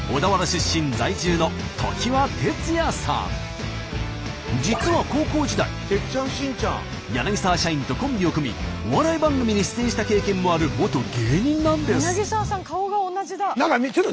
出身在住の実は高校時代柳沢社員とコンビを組みお笑い番組に出演した経験もある元芸人なんです。